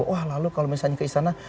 wah lalu kalau misalnya ke istana